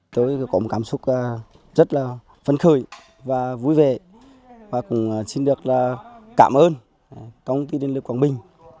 tôi có một cảm xúc rất là phân khởi và vui vẻ và cũng xin được cảm ơn công ty điện lực quảng bình